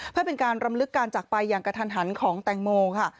เพื่อเป็นการรำลึกการจักรไปอย่างกระทันหันของแตงโมค่ะ